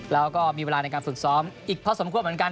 แล้วก็มีเวลาในการฝึกซ้อมอีกพอสมควรเหมือนกัน